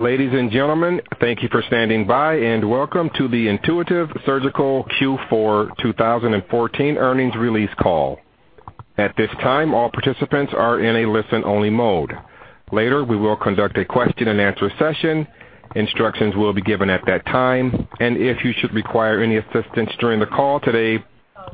Ladies and gentlemen, thank you for standing by. Welcome to the Intuitive Surgical Q4 2014 earnings release call. At this time, all participants are in a listen-only mode. Later, we will conduct a question-and-answer session. Instructions will be given at that time. If you should require any assistance during the call today,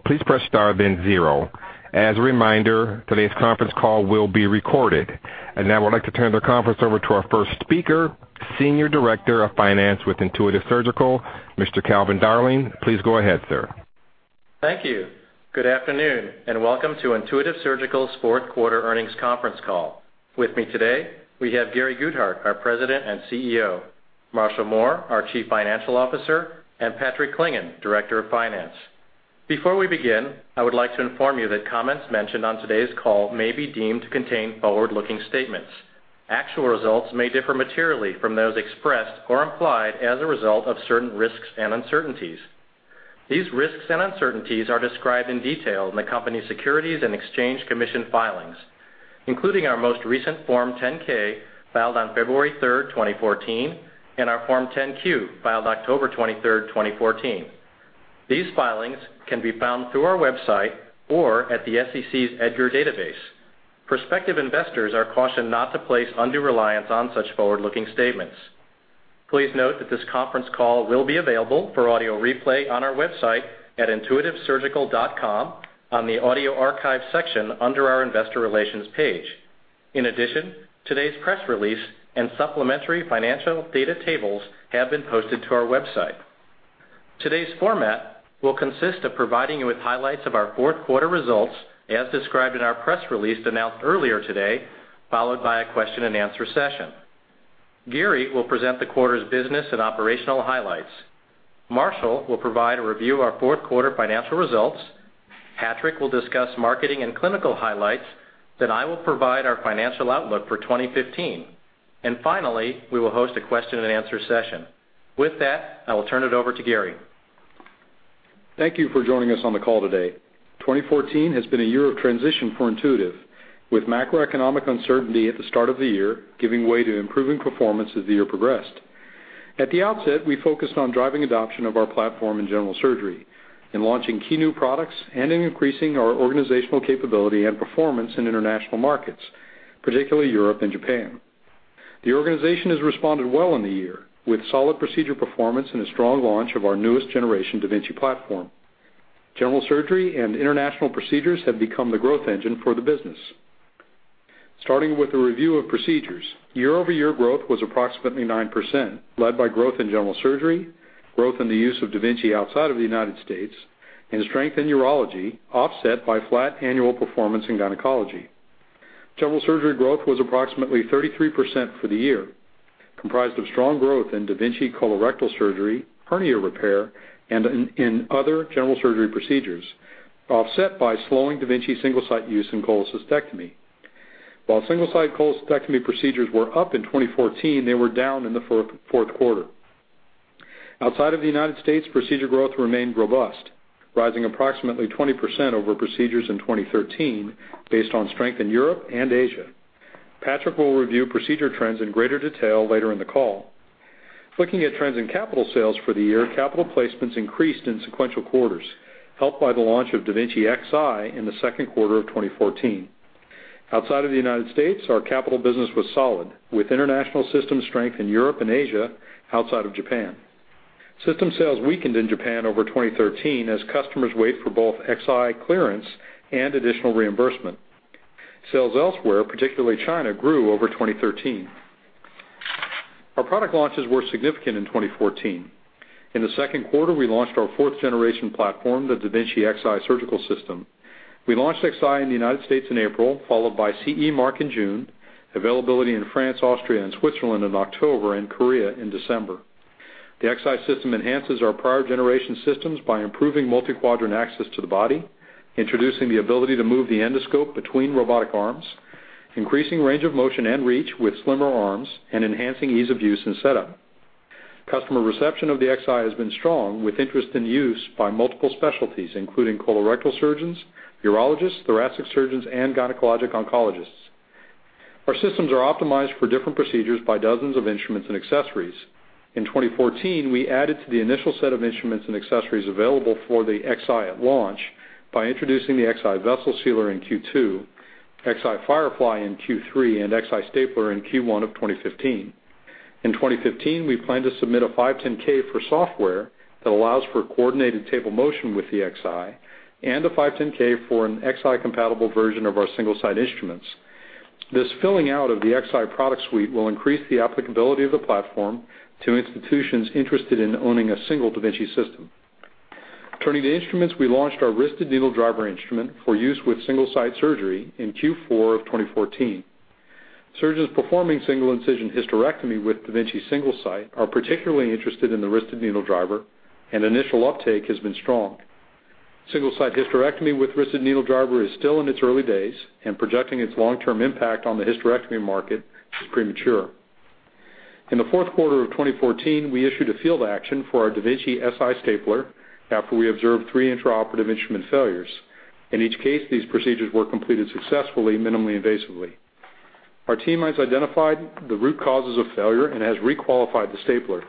please press star then zero. As a reminder, today's conference call will be recorded. Now I would like to turn the conference over to our first speaker, Senior Director of Finance with Intuitive Surgical, Mr. Calvin Darling. Please go ahead, sir. Thank you. Good afternoon. Welcome to Intuitive Surgical's fourth quarter earnings conference call. With me today, we have Gary Guthart, our President and CEO, Marshall Mohr, our Chief Financial Officer, and Patrick Clingan, Director of Finance. Before we begin, I would like to inform you that comments mentioned on today's call may be deemed to contain forward-looking statements. Actual results may differ materially from those expressed or implied as a result of certain risks and uncertainties. These risks and uncertainties are described in detail in the company's Securities and Exchange Commission filings, including our most recent Form 10-K filed on February 3rd, 2014, and our Form 10-Q, filed October 23rd, 2014. These filings can be found through our website or at the SEC's EDGAR database. Prospective investors are cautioned not to place undue reliance on such forward-looking statements. Please note that this conference call will be available for audio replay on our website at intuitivesurgical.com on the Audio Archive section under our Investor Relations page. In addition, today's press release and supplementary financial data tables have been posted to our website. Today's format will consist of providing you with highlights of our fourth quarter results, as described in our press release announced earlier today, followed by a question-and-answer session. Gary will present the quarter's business and operational highlights. Marshall will provide a review of our fourth-quarter financial results. Patrick will discuss marketing and clinical highlights. I will provide our financial outlook for 2015. Finally, we will host a question-and-answer session. With that, I will turn it over to Gary. Thank you for joining us on the call today. 2014 has been a year of transition for Intuitive, with macroeconomic uncertainty at the start of the year giving way to improving performance as the year progressed. At the outset, we focused on driving adoption of our platform in general surgery and launching key new products and increasing our organizational capability and performance in international markets, particularly Europe and Japan. The organization has responded well in the year, with solid procedure performance and a strong launch of our newest generation da Vinci platform. General surgery and international procedures have become the growth engine for the business. Starting with a review of procedures. Year-over-year growth was approximately 9%, led by growth in general surgery, growth in the use of da Vinci outside of the United States, and strength in urology offset by flat annual performance in gynecology. General surgery growth was approximately 33% for the year, comprised of strong growth in da Vinci colorectal surgery, hernia repair, and in other general surgery procedures, offset by slowing da Vinci Single-Site use in cholecystectomy. While Single-Site cholecystectomy procedures were up in 2014, they were down in the fourth quarter. Outside of the U.S., procedure growth remained robust, rising approximately 20% over procedures in 2013 based on strength in Europe and Asia. Patrick will review procedure trends in greater detail later in the call. Looking at trends in capital sales for the year, capital placements increased in sequential quarters, helped by the launch of da Vinci Xi in the second quarter of 2014. Outside of the U.S., our capital business was solid, with international system strength in Europe and Asia outside of Japan. System sales weakened in Japan over 2013 as customers wait for both Xi clearance and additional reimbursement. Sales elsewhere, particularly China, grew over 2013. Our product launches were significant in 2014. In the second quarter, we launched our fourth generation platform, the da Vinci Xi Surgical System. We launched Xi in the U.S. in April, followed by CE mark in June, availability in France, Austria, and Switzerland in October, and Korea in December. The Xi system enhances our prior generation systems by improving multi-quadrant access to the body, introducing the ability to move the endoscope between robotic arms, increasing range of motion and reach with slimmer arms, and enhancing ease of use and setup. Customer reception of the Xi has been strong, with interest in use by multiple specialties, including colorectal surgeons, urologists, thoracic surgeons, and gynecologic oncologists. Our systems are optimized for different procedures by dozens of instruments and accessories. In 2014, we added to the initial set of instruments and accessories available for the Xi at launch by introducing the Xi vessel sealer in Q2, Xi Firefly in Q3, and Xi stapler in Q1 of 2015. In 2015, we plan to submit a 510(k) for software that allows for coordinated table motion with the Xi and a 510(k) for an Xi-compatible version of our Single-Site instruments. This filling out of the Xi product suite will increase the applicability of the platform to institutions interested in owning a single da Vinci system. Turning to instruments, we launched our wristed needle driver instrument for use with Single-Site surgery in Q4 of 2014. Surgeons performing single-incision hysterectomy with da Vinci Single-Site are particularly interested in the wristed needle driver, and initial uptake has been strong. Single-Site hysterectomy with wristed needle driver is still in its early days, and projecting its long-term impact on the hysterectomy market is premature. In the fourth quarter of 2014, we issued a field action for our da Vinci Si stapler after we observed three intraoperative instrument failures. In each case, these procedures were completed successfully, minimally invasively. Our team has identified the root causes of failure and has requalified the stapler.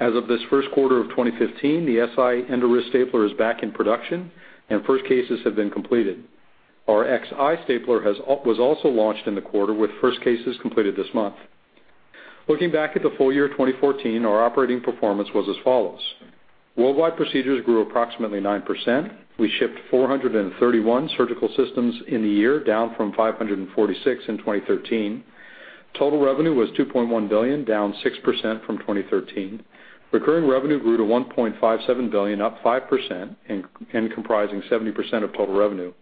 As of this first quarter of 2015, the Si intra-wrist stapler is back in production, and first cases have been completed. Our Xi stapler was also launched in the quarter, with first cases completed this month. Looking back at the full year 2014, our operating performance was as follows. Worldwide procedures grew approximately 9%. We shipped 431 surgical systems in the year, down from 546 in 2013. Total revenue was $2.1 billion, down 6% from 2013. Recurring revenue grew to $1.57 billion, up 5%, and comprising 70% of total revenue.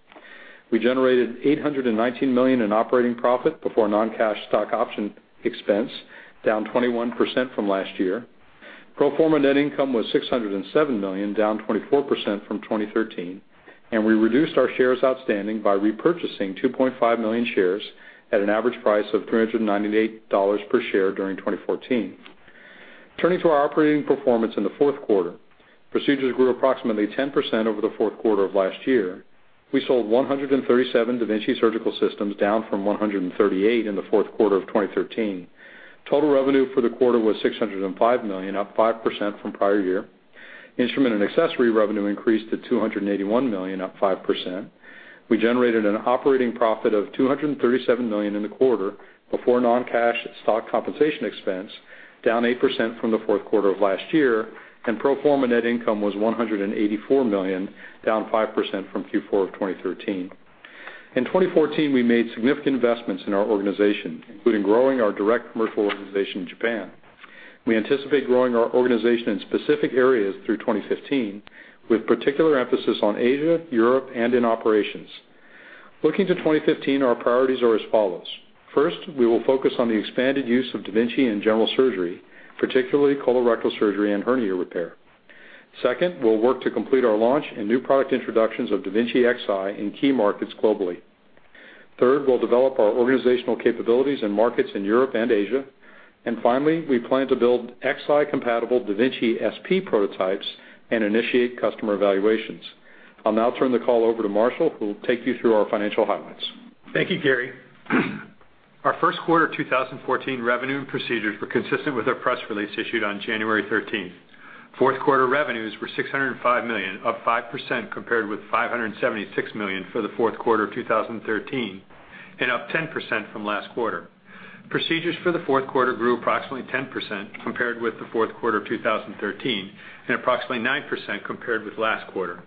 We generated $819 million in operating profit before non-cash stock option expense, down 21% from last year. Pro forma net income was $607 million, down 24% from 2013. We reduced our shares outstanding by repurchasing 2.5 million shares at an average price of $398 per share during 2014. Turning to our operating performance in the fourth quarter. Procedures grew approximately 10% over the fourth quarter of last year. We sold 137 da Vinci surgical systems, down from 138 in the fourth quarter of 2013. Total revenue for the quarter was $605 million, up 5% from prior year. Instrument and accessory revenue increased to $281 million, up 5%. We generated an operating profit of $237 million in the quarter before non-cash stock compensation expense, down 8% from the fourth quarter of last year, pro forma net income was $184 million, down 5% from Q4 of 2013. In 2014, we made significant investments in our organization, including growing our direct commercial organization in Japan. We anticipate growing our organization in specific areas through 2015, with particular emphasis on Asia, Europe, and in operations. Looking to 2015, our priorities are as follows. First, we will focus on the expanded use of da Vinci in general surgery, particularly colorectal surgery and hernia repair. Second, we'll work to complete our launch and new product introductions of da Vinci Xi in key markets globally. Third, we'll develop our organizational capabilities in markets in Europe and Asia. Finally, we plan to build Xi-compatible da Vinci SP prototypes and initiate customer evaluations. I'll now turn the call over to Marshall, who will take you through our financial highlights. Thank you, Gary. Our fourth quarter 2014 revenue and procedures were consistent with our press release issued on January 13th. Fourth quarter revenues were $605 million, up 5% compared with $576 million for the fourth quarter of 2013 and up 10% from last quarter. Procedures for the fourth quarter grew approximately 10% compared with the fourth quarter of 2013 and approximately 9% compared with last quarter.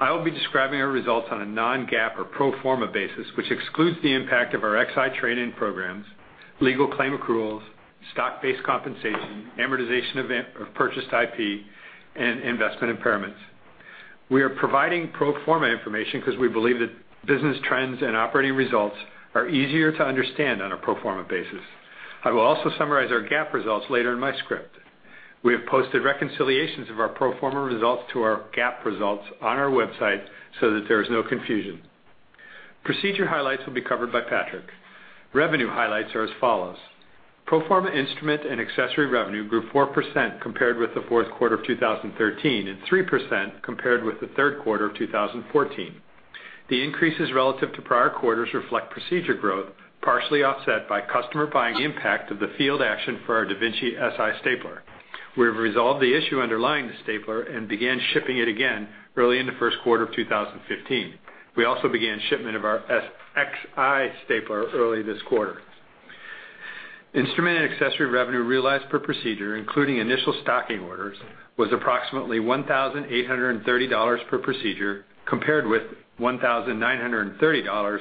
I will be describing our results on a non-GAAP or pro forma basis, which excludes the impact of our Xi training programs, legal claim accruals, stock-based compensation, amortization of purchased IP, and investment impairments. We are providing pro forma information because we believe that business trends and operating results are easier to understand on a pro forma basis. I will also summarize our GAAP results later in my script. We have posted reconciliations of our pro forma results to our GAAP results on our website so that there is no confusion. Procedure highlights will be covered by Patrick. Revenue highlights are as follows. Pro forma instrument and accessory revenue grew 4% compared with the fourth quarter of 2013, and 3% compared with the third quarter of 2014. The increases relative to prior quarters reflect procedure growth, partially offset by customer buying impact of the field action for our da Vinci Si stapler. We have resolved the issue underlying the stapler and began shipping it again early in the first quarter of 2015. We also began shipment of our Xi stapler early this quarter. Instrument and accessory revenue realized per procedure, including initial stocking orders, was approximately $1,830 per procedure, compared with $1,930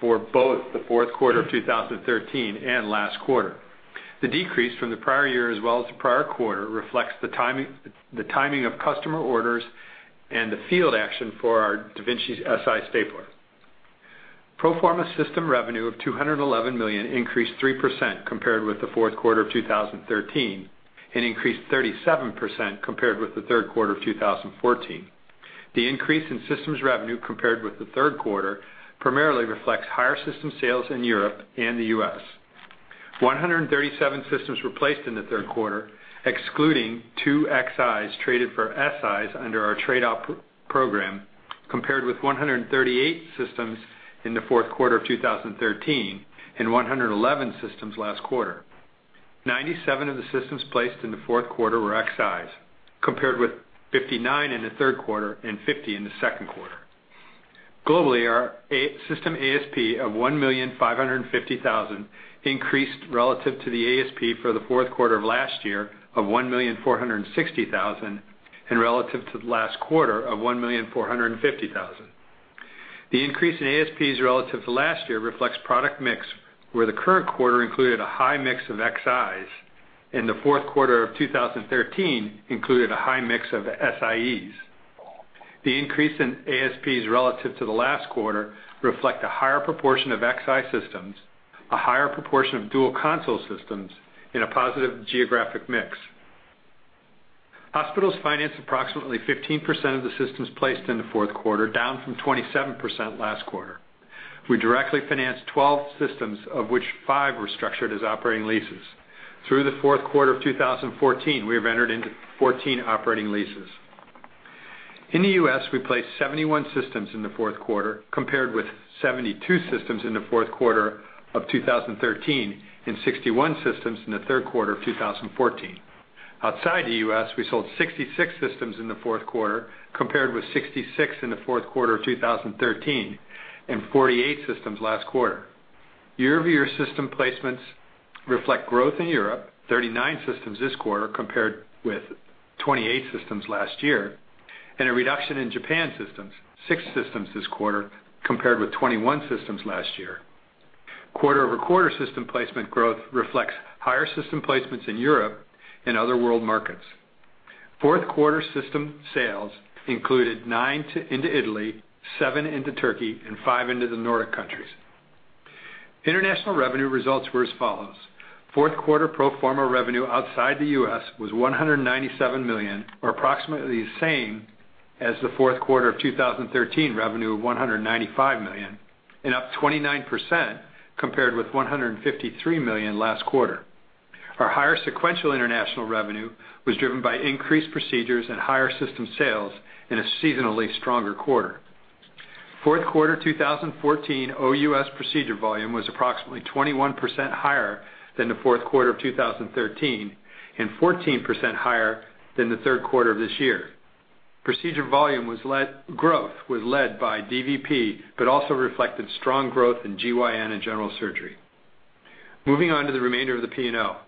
for both the fourth quarter of 2013 and last quarter. The decrease from the prior year as well as the prior quarter reflects the timing of customer orders and the field action for our da Vinci Si stapler. Pro forma system revenue of $211 million increased 3% compared with the fourth quarter of 2013 and increased 37% compared with the fourth quarter of 2014. The increase in systems revenue compared with the fourth quarter primarily reflects higher system sales in Europe and the U.S. 137 systems were placed in the fourth quarter, excluding two Xis traded for Sis under our trade-up program, compared with 138 systems in the fourth quarter of 2013 and 111 systems last quarter. 97 of the systems placed in the fourth quarter were Xis, compared with 59 in the fourth quarter and 50 in the second quarter. Globally, our system ASP of $1,550,000 increased relative to the ASP for the fourth quarter of last year of $1,460,000 and relative to the last quarter of $1,450,000. The increase in ASPs relative to last year reflects product mix, where the current quarter included a high mix of Xis and the fourth quarter of 2013 included a high mix of Sis. The increase in ASPs relative to the last quarter reflect a higher proportion of Xi systems, a higher proportion of dual console systems, and a positive geographic mix. Hospitals financed approximately 15% of the systems placed in the fourth quarter, down from 27% last quarter. We directly financed 12 systems, of which five were structured as operating leases. Through the fourth quarter of 2014, we have entered into 14 operating leases. In the U.S., we placed 71 systems in the fourth quarter, compared with 72 systems in the fourth quarter of 2013, and 61 systems in the third quarter of 2014. Outside the U.S., we sold 66 systems in the fourth quarter, compared with 66 in the fourth quarter of 2013, and 48 systems last quarter. Year-over-year system placements reflect growth in Europe, 39 systems this quarter compared with 28 systems last year, and a reduction in Japan systems, six systems this quarter compared with 21 systems last year. Quarter-over-quarter system placement growth reflects higher system placements in Europe and other world markets. Fourth quarter system sales included nine into Italy, seven into Turkey, and five into the Nordic countries. International revenue results were as follows. Fourth quarter pro forma revenue outside the U.S. was $197 million, or approximately the same as the fourth quarter of 2013 revenue of $195 million, and up 29% compared with $153 million last quarter. Our higher sequential international revenue was driven by increased procedures and higher system sales in a seasonally stronger quarter. Fourth quarter 2014, OUS procedure volume was approximately 21% higher than the fourth quarter of 2013 and 14% higher than the third quarter of this year. Procedure volume growth was led by DVP but also reflected strong growth in GYN and general surgery. Moving on to the remainder of the P&L. Pro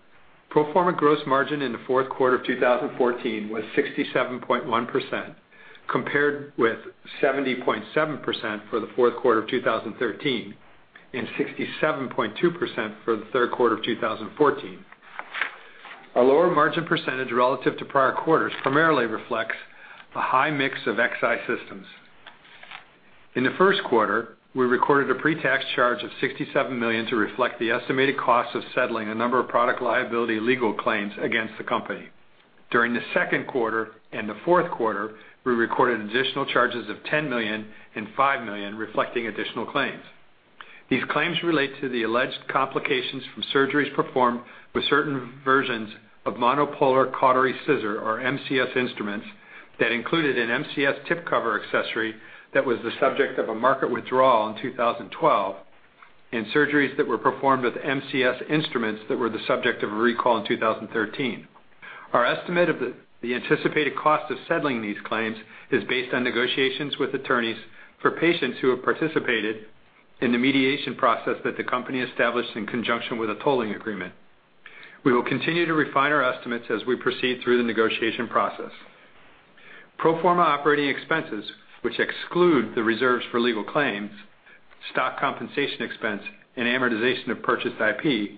forma gross margin in the fourth quarter of 2014 was 67.1%, compared with 70.7% for the fourth quarter of 2013 and 67.2% for the third quarter of 2014. Our lower margin percentage relative to prior quarters primarily reflects the high mix of Xi systems. In the first quarter, we recorded a pre-tax charge of $67 million to reflect the estimated cost of settling a number of product liability legal claims against the company. During the second quarter and the fourth quarter, we recorded additional charges of $10 million and $5 million reflecting additional claims. These claims relate to the alleged complications from surgeries performed with certain versions of monopolar cautery scissor or MCS instruments that included an MCS tip cover accessory that was the subject of a market withdrawal in 2012 and surgeries that were performed with MCS instruments that were the subject of a recall in 2013. Our estimate of the anticipated cost of settling these claims is based on negotiations with attorneys for patients who have participated in the mediation process that the company established in conjunction with a tolling agreement. We will continue to refine our estimates as we proceed through the negotiation process. Pro forma operating expenses, which exclude the reserves for legal claims, stock compensation expense, and amortization of purchased IP,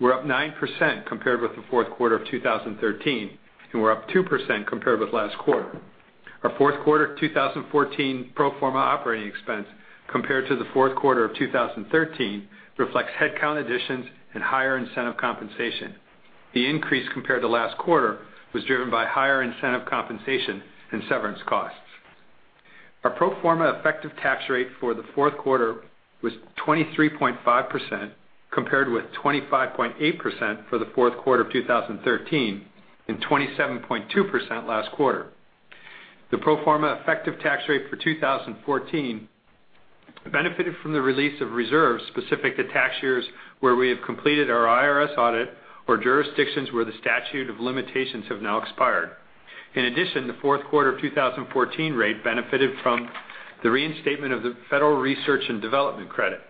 were up 9% compared with the fourth quarter of 2013 and were up 2% compared with last quarter. Our fourth quarter 2014 pro forma operating expense compared to the fourth quarter of 2013 reflects headcount additions and higher incentive compensation. The increase compared to last quarter was driven by higher incentive compensation and severance costs. Our pro forma effective tax rate for the fourth quarter was 23.5%, compared with 25.8% for the fourth quarter of 2013 and 27.2% last quarter. The pro forma effective tax rate for 2014 benefited from the release of reserves specific to tax years where we have completed our IRS audit or jurisdictions where the statute of limitations have now expired. In addition, the fourth quarter of 2014 rate benefited from the reinstatement of the Federal Research and Development Credit.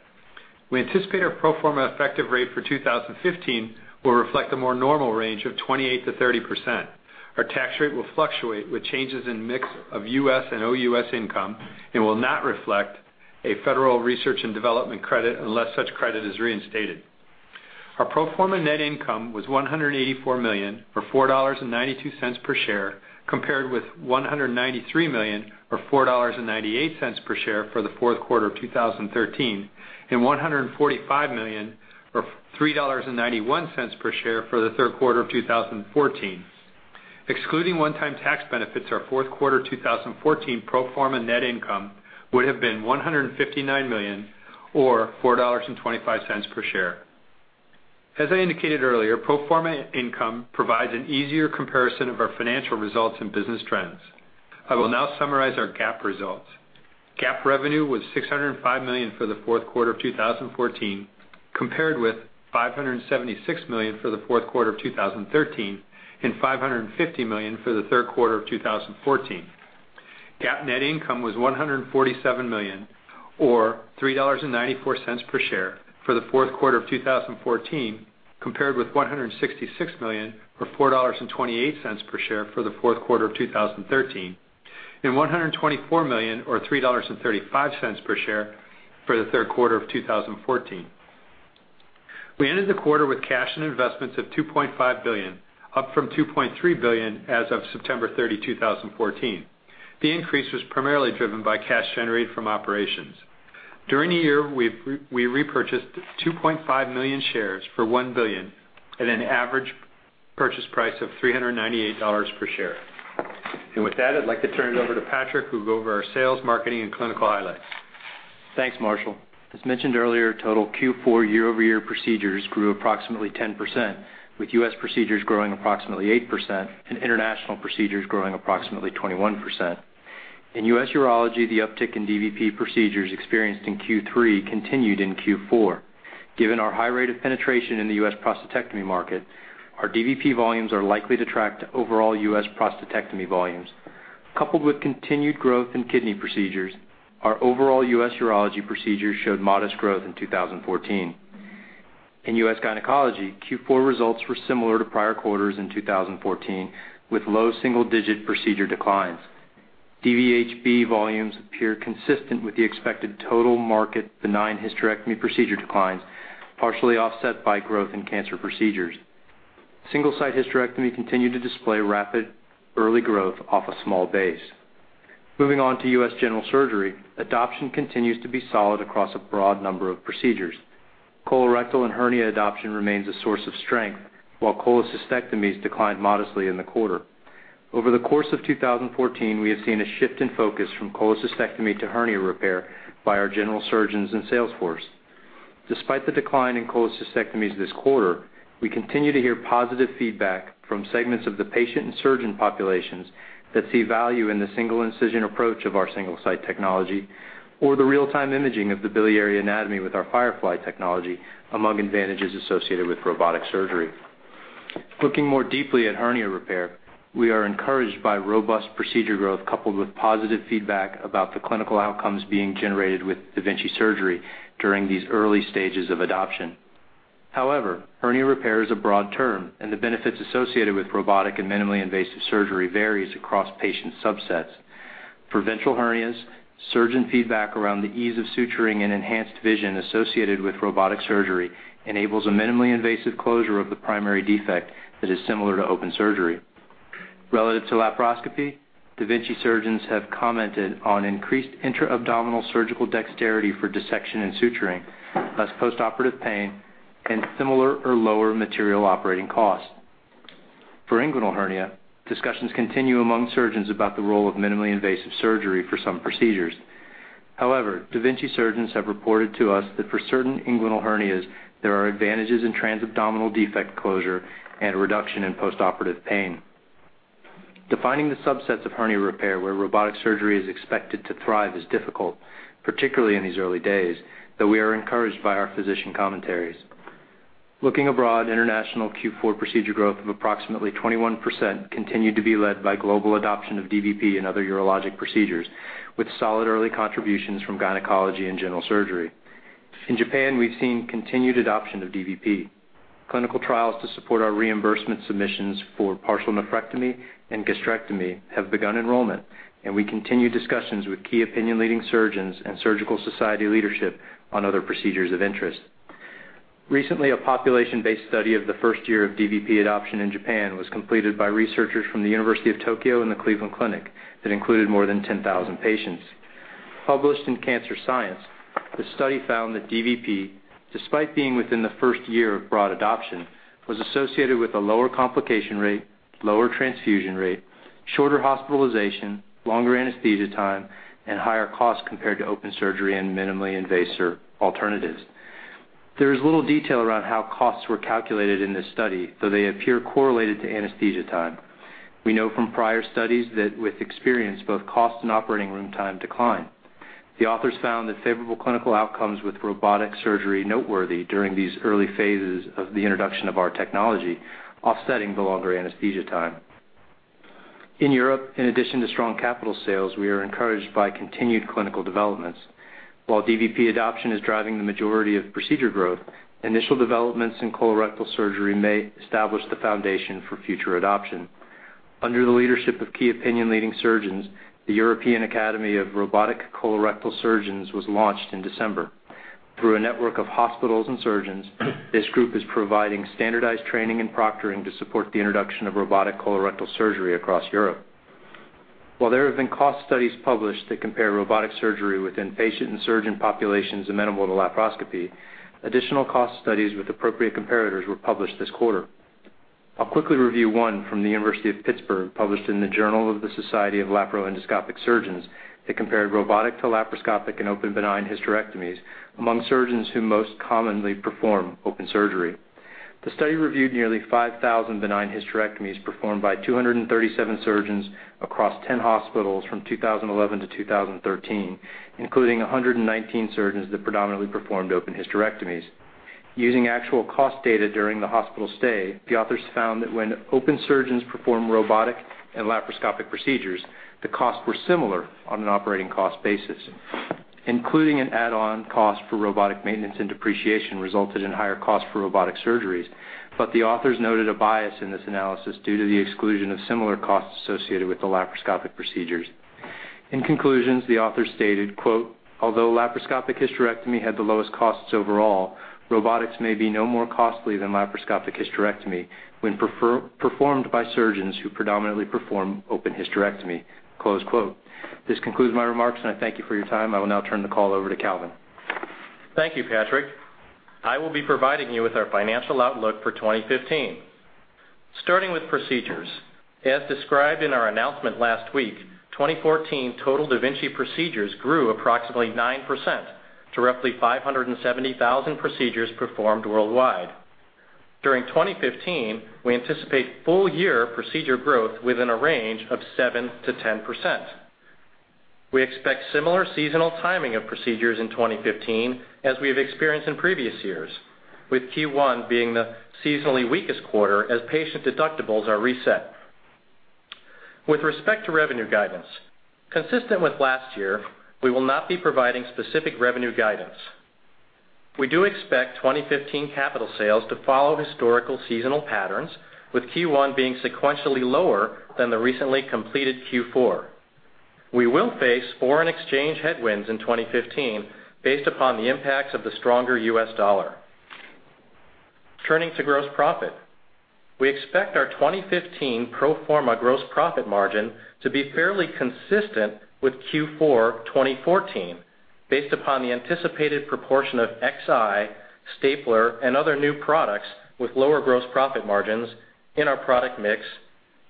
We anticipate our pro forma effective rate for 2015 will reflect a more normal range of 28%-30%. Our tax rate will fluctuate with changes in mix of U.S. and OUS income and will not reflect a Federal Research and Development Credit unless such credit is reinstated. Our pro forma net income was $184 million, or $4.92 per share, compared with $193 million, or $4.98 per share for the fourth quarter of 2013, and $145 million, or $3.91 per share for the third quarter of 2014. Excluding one-time tax benefits, our fourth quarter 2014 pro forma net income would have been $159 million, or $4.25 per share. As I indicated earlier, pro forma income provides an easier comparison of our financial results and business trends. I will now summarize our GAAP results. GAAP revenue was $605 million for the fourth quarter of 2014, compared with $576 million for the fourth quarter of 2013 and $550 million for the third quarter of 2014. GAAP net income was $147 million, or $3.94 per share for the fourth quarter of 2014, compared with $166 million, or $4.28 per share for the fourth quarter of 2013 and $124 million or $3.35 per share for the third quarter of 2014. We ended the quarter with cash and investments of $2.5 billion, up from $2.3 billion as of September 30, 2014. The increase was primarily driven by cash generated from operations. During the year, we repurchased 2.5 million shares for $1 billion at an average purchase price of $398 per share. With that, I'd like to turn it over to Patrick, who will go over our sales, marketing, and clinical highlights. Thanks, Marshall. As mentioned earlier, total Q4 year-over-year procedures grew approximately 10%, with U.S. procedures growing approximately 8% and international procedures growing approximately 21%. In U.S. urology, the uptick in DVP procedures experienced in Q3 continued in Q4. Given our high rate of penetration in the U.S. prostatectomy market, our DVP volumes are likely to track to overall U.S. prostatectomy volumes. Coupled with continued growth in kidney procedures, our overall U.S. urology procedures showed modest growth in 2014. In U.S. gynecology, Q4 results were similar to prior quarters in 2014, with low single-digit procedure declines. DVHB volumes appear consistent with the expected total market benign hysterectomy procedure declines, partially offset by growth in cancer procedures. Single-Site hysterectomy continued to display rapid early growth off a small base. Moving on to U.S. general surgery, adoption continues to be solid across a broad number of procedures. Colorectal and hernia adoption remains a source of strength, while cholecystectomies declined modestly in the quarter. Over the course of 2014, we have seen a shift in focus from cholecystectomy to hernia repair by our general surgeons and sales force. Despite the decline in cholecystectomies this quarter, we continue to hear positive feedback from segments of the patient and surgeon populations that see value in the single-incision approach of our Single-Site technology or the real-time imaging of the biliary anatomy with our Firefly technology, among advantages associated with robotic surgery. Looking more deeply at hernia repair, we are encouraged by robust procedure growth coupled with positive feedback about the clinical outcomes being generated with da Vinci surgery during these early stages of adoption. However, hernia repair is a broad term, and the benefits associated with robotic and minimally invasive surgery varies across patient subsets. For ventral hernias, surgeon feedback around the ease of suturing and enhanced vision associated with robotic surgery enables a minimally invasive closure of the primary defect that is similar to open surgery. Relative to laparoscopy, da Vinci surgeons have commented on increased intra-abdominal surgical dexterity for dissection and suturing, less postoperative pain, and similar or lower material operating costs. For inguinal hernia, discussions continue among surgeons about the role of minimally invasive surgery for some procedures. However, da Vinci surgeons have reported to us that for certain inguinal hernias, there are advantages in transabdominal defect closure and a reduction in postoperative pain. Defining the subsets of hernia repair where robotic surgery is expected to thrive is difficult, particularly in these early days, though we are encouraged by our physician commentaries. Looking abroad, international Q4 procedure growth of approximately 21% continued to be led by global adoption of DVP and other urologic procedures, with solid early contributions from gynecology and general surgery. In Japan, we've seen continued adoption of DVP. Clinical trials to support our reimbursement submissions for partial nephrectomy and gastrectomy have begun enrollment, and we continue discussions with key opinion leading surgeons and surgical society leadership on other procedures of interest. Recently, a population-based study of the first year of DVP adoption in Japan was completed by researchers from the University of Tokyo and the Cleveland Clinic that included more than 10,000 patients. Published in "Cancer Science," the study found that DVP, despite being within the first year of broad adoption, was associated with a lower complication rate, lower transfusion rate, shorter hospitalization, longer anesthesia time, and higher cost compared to open surgery and minimally invasive alternatives. There is little detail around how costs were calculated in this study, though they appear correlated to anesthesia time. We know from prior studies that with experience, both cost and operating room time decline. The authors found the favorable clinical outcomes with robotic surgery noteworthy during these early phases of the introduction of our technology, offsetting the longer anesthesia time. In Europe, in addition to strong capital sales, we are encouraged by continued clinical developments. While DVP adoption is driving the majority of procedure growth, initial developments in colorectal surgery may establish the foundation for future adoption. Under the leadership of key opinion leading surgeons, the European Academy of Robotic Colorectal Surgery was launched in December. Through a network of hospitals and surgeons, this group is providing standardized training and proctoring to support the introduction of robotic colorectal surgery across Europe. While there have been cost studies published that compare robotic surgery within patient and surgeon populations amenable to laparoscopy, additional cost studies with appropriate comparators were published this quarter. I'll quickly review one from the University of Pittsburgh, published in "Journal of the Society of Laparoendoscopic Surgeons," that compared robotic to laparoscopic and open benign hysterectomies among surgeons who most commonly perform open surgery. The study reviewed nearly 5,000 benign hysterectomies performed by 237 surgeons across 10 hospitals from 2011 to 2013, including 119 surgeons that predominantly performed open hysterectomies. Using actual cost data during the hospital stay, the authors found that when open surgeons performed robotic and laparoscopic procedures, the costs were similar on an operating cost basis. Including an add-on cost for robotic maintenance and depreciation resulted in higher costs for robotic surgeries, but the authors noted a bias in this analysis due to the exclusion of similar costs associated with the laparoscopic procedures. In conclusion, the author stated, quote, "Although laparoscopic hysterectomy had the lowest costs overall, robotics may be no more costly than laparoscopic hysterectomy when performed by surgeons who predominantly perform open hysterectomy," close quote. This concludes my remarks, and I thank you for your time. I will now turn the call over to Calvin. Thank you, Patrick. I will be providing you with our financial outlook for 2015. Starting with procedures, as described in our announcement last week, 2014 total da Vinci procedures grew approximately 9% to roughly 570,000 procedures performed worldwide. During 2015, we anticipate full-year procedure growth within a range of 7%-10%. We expect similar seasonal timing of procedures in 2015 as we have experienced in previous years, with Q1 being the seasonally weakest quarter as patient deductibles are reset. With respect to revenue guidance, consistent with last year, we will not be providing specific revenue guidance. We do expect 2015 capital sales to follow historical seasonal patterns, with Q1 being sequentially lower than the recently completed Q4. We will face foreign exchange headwinds in 2015 based upon the impacts of the stronger U.S. dollar. Turning to gross profit. We expect our 2015 pro forma gross profit margin to be fairly consistent with Q4 2014, based upon the anticipated proportion of Xi, stapler, and other new products with lower gross profit margins in our product mix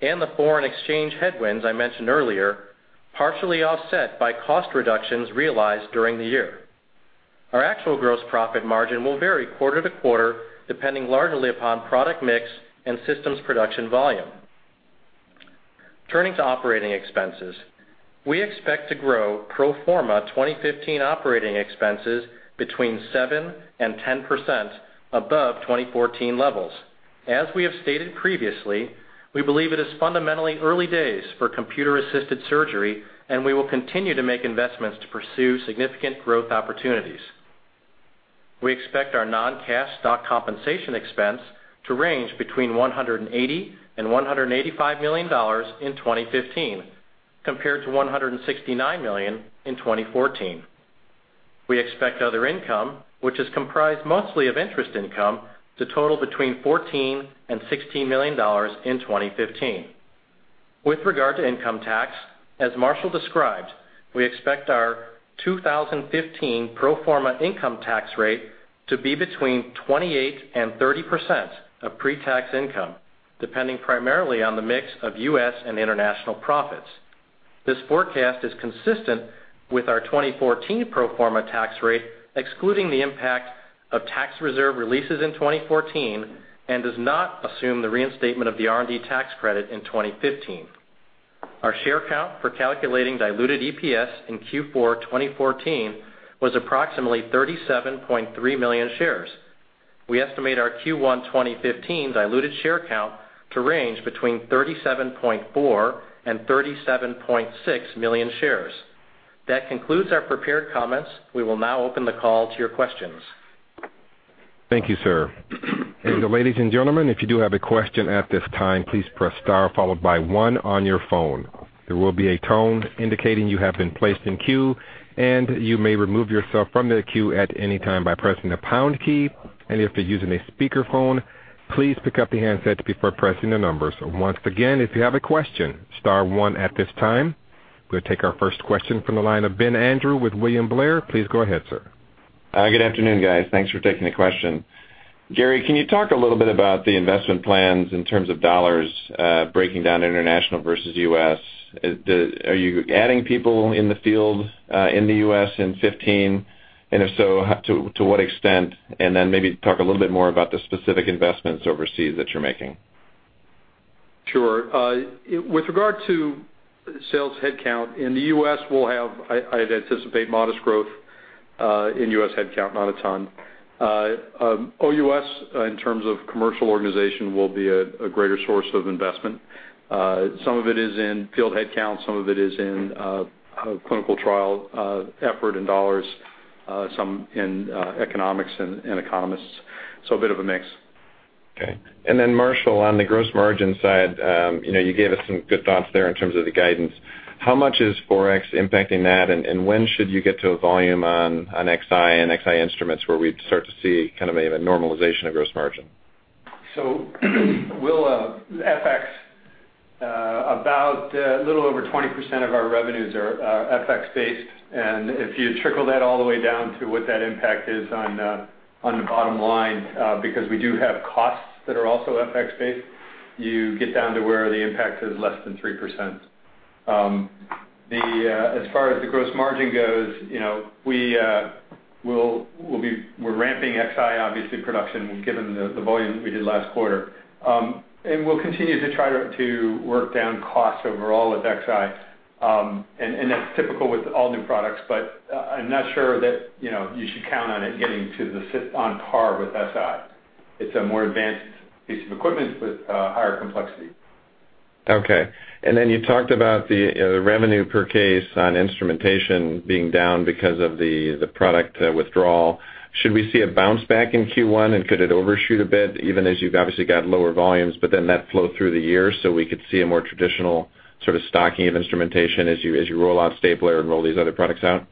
and the foreign exchange headwinds I mentioned earlier, partially offset by cost reductions realized during the year. Our actual gross profit margin will vary quarter to quarter, depending largely upon product mix and systems production volume. Turning to operating expenses. We expect to grow pro forma 2015 operating expenses between 7%-10% above 2014 levels. As we have stated previously, we believe it is fundamentally early days for computer-assisted surgery, and we will continue to make investments to pursue significant growth opportunities. We expect our non-cash stock compensation expense to range between $180 million-$185 million in 2015, compared to $169 million in 2014. We expect other income, which is comprised mostly of interest income, to total between $14 million-$16 million in 2015. With regard to income tax, as Marshall described, we expect our 2015 pro forma income tax rate to be between 28%-30% of pre-tax income, depending primarily on the mix of U.S. and international profits. This forecast is consistent with our 2014 pro forma tax rate, excluding the impact of tax reserve releases in 2014, and does not assume the reinstatement of the R&D tax credit in 2015. Our share count for calculating diluted EPS in Q4 2014 was approximately 37.3 million shares. We estimate our Q1 2015 diluted share count to range between 37.4 million-37.6 million shares. That concludes our prepared comments. We will now open the call to your questions. Thank you, sir. Ladies and gentlemen, if you do have a question at this time, please press star followed by one on your phone. There will be a tone indicating you have been placed in queue, and you may remove yourself from the queue at any time by pressing the pound key. If you're using a speakerphone, please pick up the handset before pressing the numbers. Once again, if you have a question, star one at this time. We'll take our first question from the line of Benjamin Andrew with William Blair. Please go ahead, sir. Good afternoon, guys. Thanks for taking the question. Gary, can you talk a little bit about the investment plans in terms of dollars breaking down international versus U.S.? Are you adding people in the field in the U.S. in 2015? If so, to what extent? Maybe talk a little bit more about the specific investments overseas that you're making. Sure. With regard to sales headcount in the U.S., I'd anticipate modest growth in U.S. headcount, not a ton. OUS, in terms of commercial organization, will be a greater source of investment. Some of it is in field headcount, some of it is in clinical trial effort and dollars, some in economics and economists. A bit of a mix. Okay. Marshall, on the gross margin side, you gave us some good thoughts there in terms of the guidance. How much is Forex impacting that, and when should you get to a volume on Xi and Xi instruments where we'd start to see a normalization of gross margin? FX, about a little over 20% of our revenues are FX-based. If you trickle that all the way down to what that impact is on the bottom line, because we do have costs that are also FX-based, you get down to where the impact is less than 3%. As far as the gross margin goes, we're ramping XI, obviously, production, given the volume we did last quarter. We'll continue to try to work down costs overall with XI. That's typical with all new products, but I'm not sure that you should count on it getting to sit on par with SI. It's a more advanced piece of equipment with higher complexity. Okay. You talked about the revenue per case on instrumentation being down because of the product withdrawal. Should we see a bounce back in Q1, could it overshoot a bit even as you've obviously got lower volumes, but then that flow through the year, so we could see a more traditional sort of stocking of instrumentation as you roll out stapler and roll these other products out?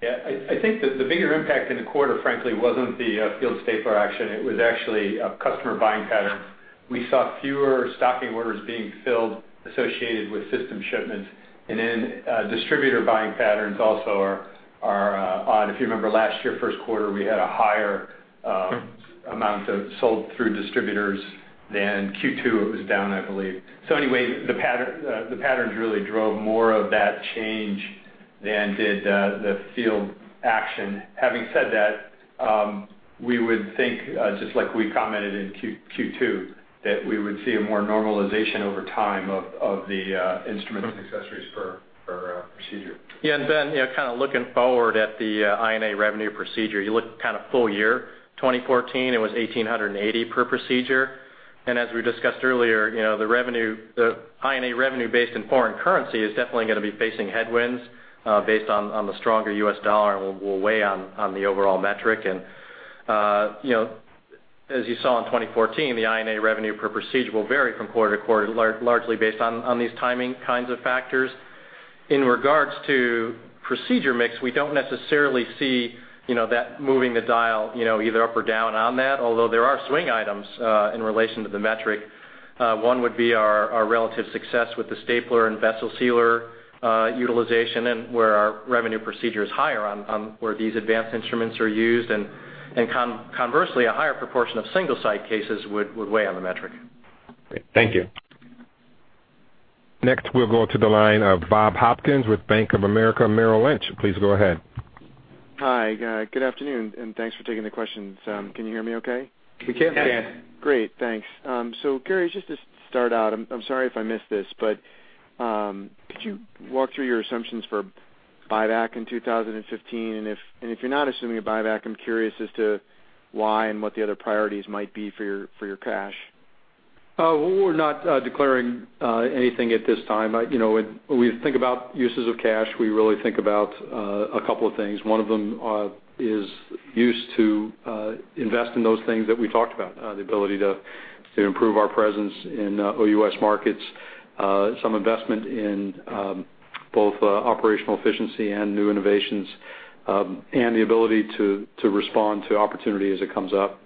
Yeah. I think that the bigger impact in the quarter, frankly, wasn't the field stapler action. It was actually customer buying patterns. We saw fewer stocking orders being filled associated with system shipments. Distributor buying patterns also are odd. If you remember last year, first quarter, we had a higher amount of sold through distributors than Q2, it was down, I believe. The patterns really drove more of that change than did the field action. Having said that, we would think, just like we commented in Q2, that we would see a more normalization over time of the instruments and accessories per procedure. Yeah, and Ben, kind of looking forward at the INA revenue procedure, you look kind of full year 2014, it was $1,880 per procedure. As we discussed earlier, the INA revenue based in foreign currency is definitely going to be facing headwinds based on the stronger U.S. dollar and will weigh on the overall metric. As you saw in 2014, the INA revenue per procedure will vary from quarter to quarter, largely based on these timing kinds of factors. In regards to procedure mix, we don't necessarily see that moving the dial either up or down on that, although there are swing items in relation to the metric. One would be our relative success with the stapler and vessel sealer utilization and where our revenue procedure is higher on where these advanced instruments are used and conversely, a higher proportion of Single-Site cases would weigh on the metric. Great. Thank you. Next, we'll go to the line of Bob Hopkins with Bank of America Merrill Lynch. Please go ahead. Hi, good afternoon, and thanks for taking the questions. Can you hear me okay? We can. Great, thanks. Gary, just to start out, I'm sorry if I missed this, but could you walk through your assumptions for buyback in 2015? If you're not assuming a buyback, I'm curious as to why and what the other priorities might be for your cash. We're not declaring anything at this time. When we think about uses of cash, we really think about a couple of things. One of them is use to invest in those things that we talked about, the ability to improve our presence in OUS markets, some investment in both operational efficiency and new innovations, and the ability to respond to opportunity as it comes up,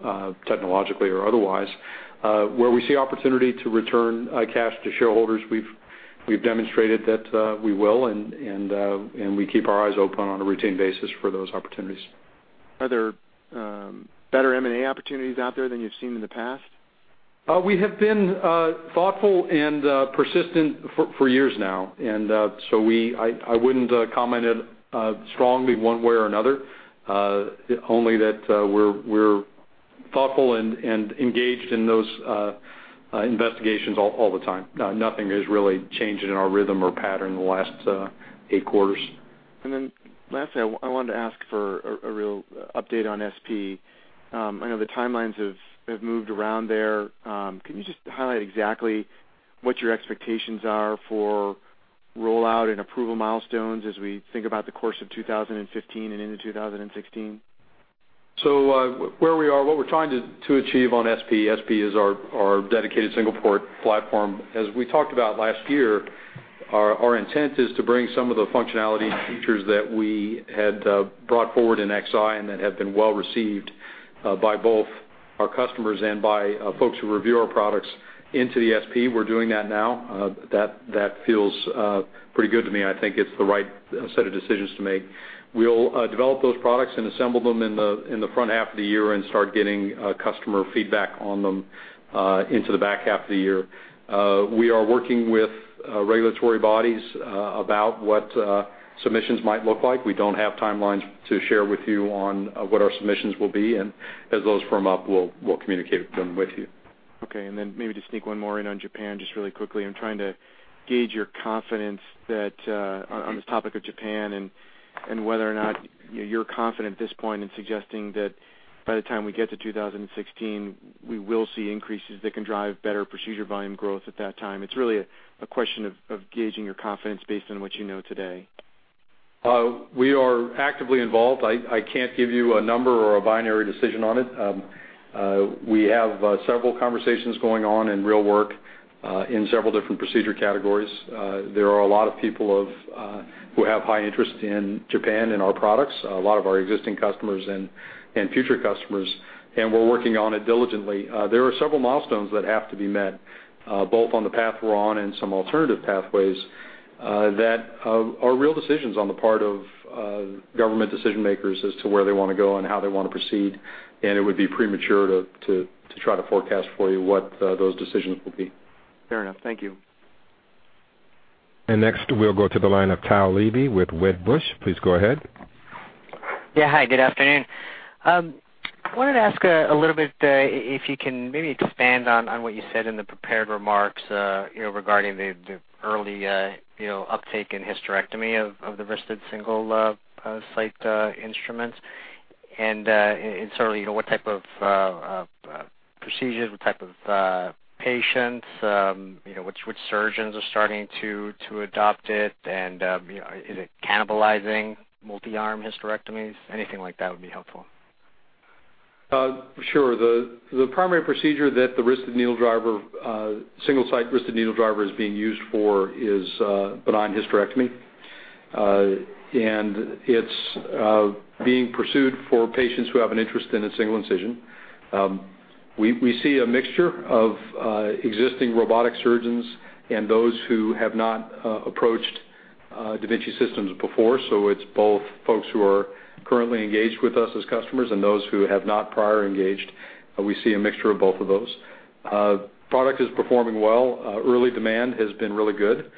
technologically or otherwise. Where we see opportunity to return cash to shareholders, we've demonstrated that we will, we keep our eyes open on a routine basis for those opportunities. Are there better M&A opportunities out there than you've seen in the past? We have been thoughtful and persistent for years now. I wouldn't comment it strongly one way or another, only that we're thoughtful and engaged in those investigations all the time. Nothing has really changed in our rhythm or pattern in the last eight quarters. lastly, I wanted to ask for a real update on SP. I know the timelines have moved around there. Can you just highlight exactly what your expectations are for rollout and approval milestones as we think about the course of 2015 and into 2016? Where we are, what we're trying to achieve on SP is our dedicated single-port platform. As we talked about last year, our intent is to bring some of the functionality and features that we had brought forward in XI and that have been well received by both our customers and by folks who review our products into the SP. We're doing that now. That feels pretty good to me. I think it's the right set of decisions to make. We'll develop those products and assemble them in the front half of the year and start getting customer feedback on them into the back half of the year. We are working with regulatory bodies about what submissions might look like. We don't have timelines to share with you on what our submissions will be, and as those firm up, we'll communicate them with you. Maybe to sneak one more in on Japan, just really quickly. I'm trying to gauge your confidence that on this topic of Japan and whether or not you're confident at this point in suggesting that by the time we get to 2016, we will see increases that can drive better procedure volume growth at that time. It's really a question of gauging your confidence based on what you know today. We are actively involved. I can't give you a number or a binary decision on it. We have several conversations going on and real work in several different procedure categories. There are a lot of people who have high interest in Japan and our products, a lot of our existing customers and future customers, and we're working on it diligently. There are several milestones that have to be met, both on the path we're on and some alternative pathways, that are real decisions on the part of government decision-makers as to where they want to go and how they want to proceed, and it would be premature to try to forecast for you what those decisions will be. Fair enough. Thank you. Next, we'll go to the line of Tao Levy with Wedbush. Please go ahead. Hi, good afternoon. I wanted to ask a little bit if you can maybe expand on what you said in the prepared remarks regarding the early uptake in hysterectomy of the wristed Single-Site instruments and certainly what type of procedures, what type of patients which surgeons are starting to adopt it and is it cannibalizing multi-arm hysterectomies? Anything like that would be helpful. Sure. The primary procedure that the Single-Site wristed needle driver is being used for is benign hysterectomy. It's being pursued for patients who have an interest in a single incision. We see a mixture of existing robotic surgeons and those who have not approached da Vinci systems before. It's both folks who are currently engaged with us as customers and those who have not prior engaged. We see a mixture of both of those. Product is performing well. Early demand has been really good.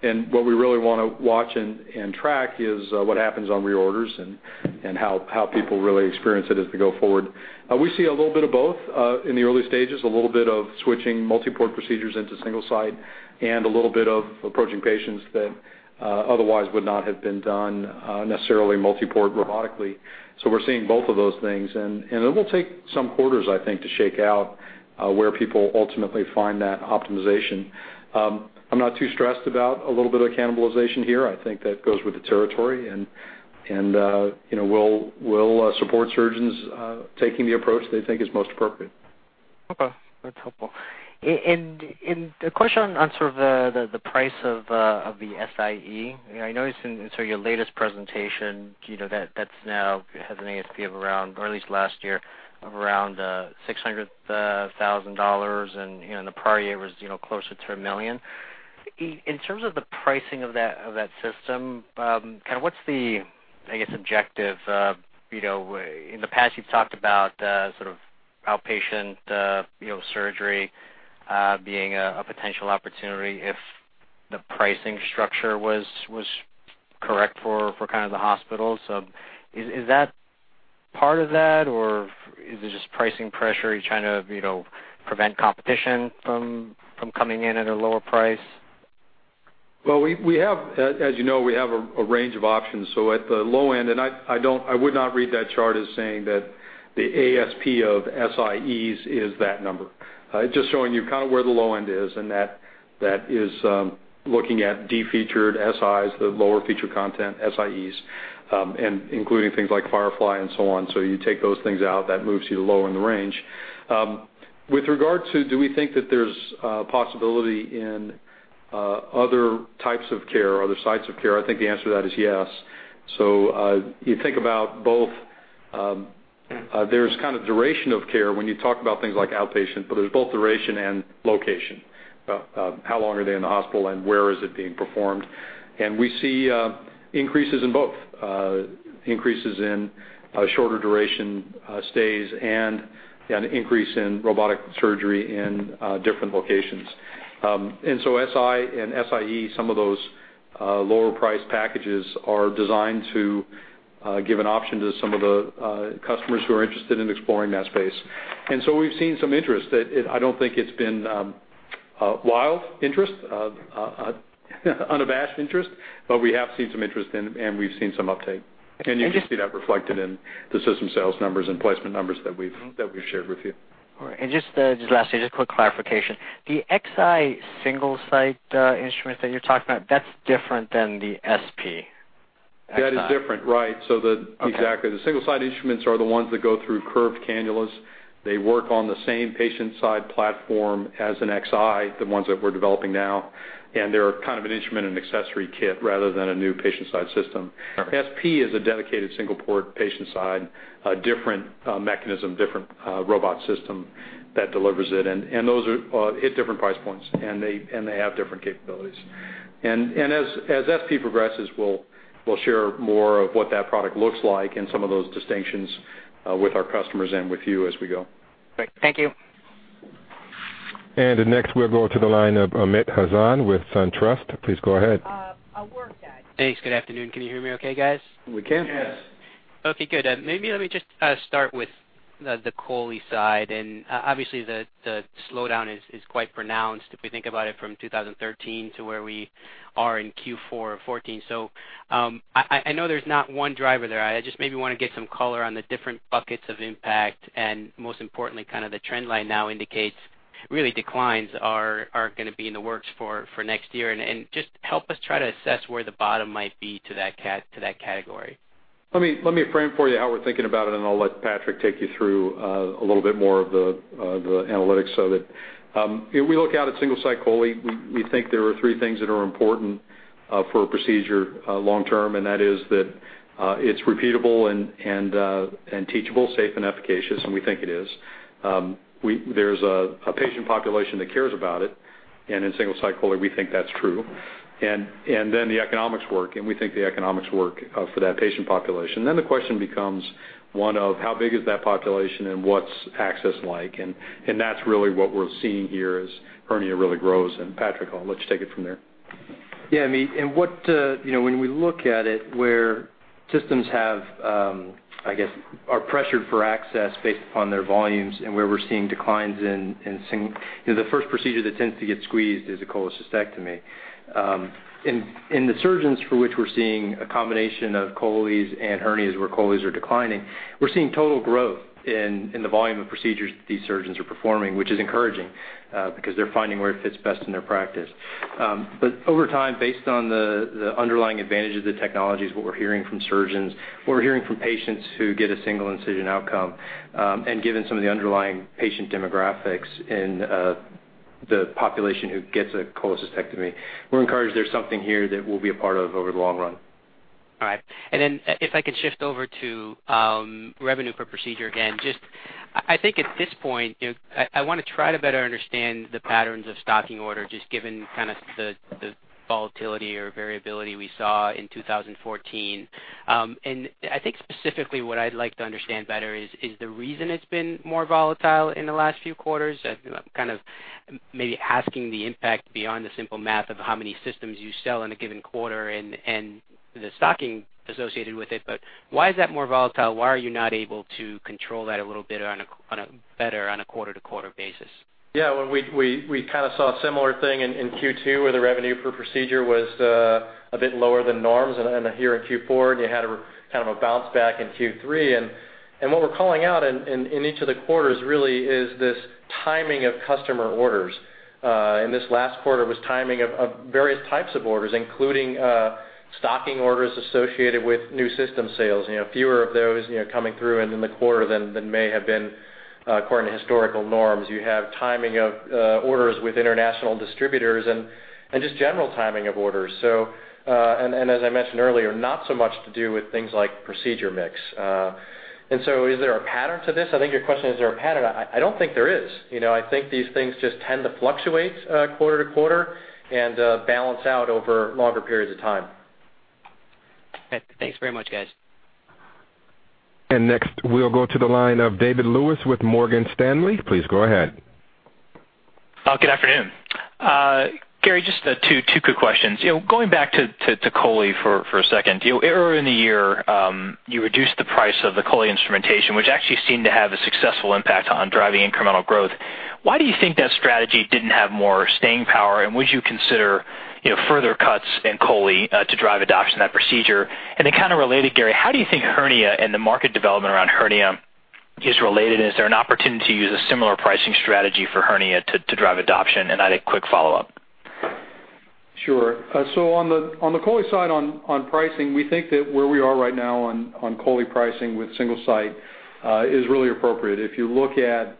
What we really want to watch and track is what happens on reorders and how people really experience it as we go forward. We see a little bit of both in the early stages, a little bit of switching multi-port procedures into Single-Site, and a little bit of approaching patients that otherwise would not have been done necessarily multi-port robotically. We're seeing both of those things, and it will take some quarters, I think, to shake out where people ultimately find that optimization. I'm not too stressed about a little bit of cannibalization here. I think that goes with the territory, and we'll support surgeons taking the approach they think is most appropriate. Okay, that's helpful. A question on sort of the price of the Si-e. I noticed in sort of your latest presentation that's now has an ASP of around, or at least last year, of around $600,000, and the prior year was closer to $1 million. In terms of the pricing of that system, what's the, I guess, objective? In the past, you've talked about sort of outpatient surgery being a potential opportunity if the pricing structure was correct for kind of the hospitals. Is that part of that, or is it just pricing pressure? Are you trying to prevent competition from coming in at a lower price? Well, as you know, we have a range of options. At the low end, and I would not read that chart as saying that the ASP of Si-es is that number. Just showing you kind of where the low end is, and that is looking at de-featured Sis, the lower feature content Si-es, and including things like Firefly and so on. You take those things out, that moves you lower in the range. With regard to do we think that there's a possibility in other types of care or other sites of care, I think the answer to that is yes. You think about both. There's kind of duration of care when you talk about things like outpatient, but there's both duration and location. How long are they in the hospital and where is it being performed? We see increases in both. Increases in shorter duration stays and an increase in robotic surgery in different locations. Si and Si-e, some of those lower priced packages are designed to give an option to some of the customers who are interested in exploring that space. We've seen some interest. I don't think it's been wild interest, unabashed interest, but we have seen some interest, and we've seen some uptake. You can see that reflected in the system sales numbers and placement numbers that we've shared with you. All right. Just lastly, just quick clarification. The Xi Single-Site instruments that you're talking about, that's different than the SP? That is different, right. Okay. Exactly. The Single-Site instruments are the ones that go through curved cannulas. They work on the same patient side platform as an Xi, the ones that we're developing now, and they're kind of an instrument and accessory kit rather than a new patient side system. All right. SP is a dedicated single port patient side, a different mechanism, different robot system that delivers it. Those hit different price points. They have different capabilities. As SP progresses, we'll share more of what that product looks like and some of those distinctions with our customers and with you as we go. Great. Thank you. Next we'll go to the line of Amit Hazan with SunTrust. Please go ahead. Thanks. Good afternoon. Can you hear me okay, guys? We can, yes. Okay, good. Let me just start with the chole side. Obviously the slowdown is quite pronounced if we think about it from 2013 to where we are in Q4 of 2014. I know there's not one driver there. I just maybe want to get some color on the different buckets of impact and most importantly, kind of the trend line now indicates really declines are going to be in the works for next year. Just help us try to assess where the bottom might be to that category. Let me frame for you how we're thinking about it, and I'll let Patrick take you through a little bit more of the analytics. We look out at Single-Site chole, we think there are three things that are important for a procedure long term, and that is that it's repeatable and teachable, safe and efficacious, and we think it is. There's a patient population that cares about it, and in Single-Site chole, we think that's true. The economics work, and we think the economics work for that patient population. The question becomes one of how big is that population and what's access like? That's really what we're seeing here as hernia really grows. Patrick, I'll let you take it from there. Yeah, Amit, when we look at it where systems have, I guess, are pressured for access based upon their volumes and where we're seeing declines in Single-Site, the first procedure that tends to get squeezed is a cholecystectomy. In the surgeons for which we're seeing a combination of choles and hernias where choles are declining, we're seeing total growth in the volume of procedures that these surgeons are performing, which is encouraging because they're finding where it fits best in their practice. Over time, based on the underlying advantage of the technologies, what we're hearing from surgeons, what we're hearing from patients who get a single incision outcome, and given some of the underlying patient demographics in the population who gets a cholecystectomy. We're encouraged there's something here that we'll be a part of over the long run. All right. If I could shift over to revenue per procedure again, just I think at this point, I want to try to better understand the patterns of stocking order, just given the volatility or variability we saw in 2014. I think specifically what I'd like to understand better is the reason it's been more volatile in the last few quarters, I'm maybe asking the impact beyond the simple math of how many systems you sell in a given quarter and the stocking associated with it. Why is that more volatile? Why are you not able to control that a little bit better on a quarter-to-quarter basis? Well, we saw a similar thing in Q2, where the revenue per procedure was a bit lower than norms and here in Q4. You had a bounce back in Q3. What we're calling out in each of the quarters really is this timing of customer orders. In this last quarter, it was timing of various types of orders, including stocking orders associated with new system sales. Fewer of those coming through and in the quarter than may have been according to historical norms. You have timing of orders with international distributors and just general timing of orders. As I mentioned earlier, not so much to do with things like procedure mix. So is there a pattern to this? I think your question, is there a pattern? I don't think there is. I think these things just tend to fluctuate quarter-to-quarter and balance out over longer periods of time. Okay. Thanks very much, guys. Next, we'll go to the line of David Lewis with Morgan Stanley. Please go ahead. Good afternoon. Gary, just two quick questions. Going back to chole for a second. Earlier in the year, you reduced the price of the chole instrumentation, which actually seemed to have a successful impact on driving incremental growth. Why do you think that strategy didn't have more staying power? Would you consider further cuts in chole to drive adoption of that procedure? Kind of related, Gary, how do you think hernia and the market development around hernia is related? Is there an opportunity to use a similar pricing strategy for hernia to drive adoption? I had a quick follow-up. Sure. On the chole side on pricing, we think that where we are right now on chole pricing with Single-Site, is really appropriate. If you look at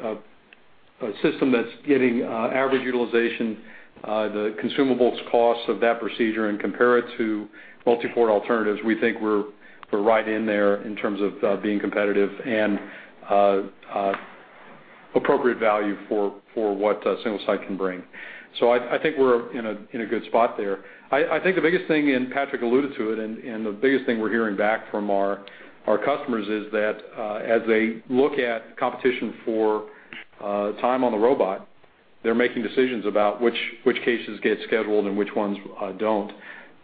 a system that's getting average utilization, the consumables cost of that procedure and compare it to multi-port alternatives, we think we're right in there in terms of being competitive and appropriate value for what a Single-Site can bring. I think we're in a good spot there. I think the biggest thing, Patrick alluded to it, the biggest thing we're hearing back from our customers is that, as they look at competition for time on the robot, they're making decisions about which cases get scheduled and which ones don't.